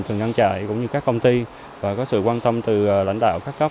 từng ngăn chải cũng như các công ty và có sự quan tâm từ lãnh đạo các cấp